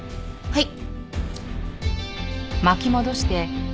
はい。